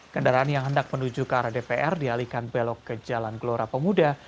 kendaraan yang hendak mem hypothesis apalagi besar dpr dihantikan dengan velo ke jalan gelora pemuda